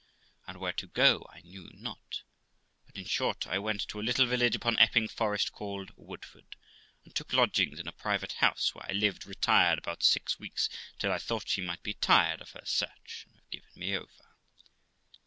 And where to go I knew not; but, in short, I went to a little village upon Epping Forest, called Woodford, and took lodgings in a private house, where I lived retired about six weeks, till I thought she might be tired of her search, and have given me over.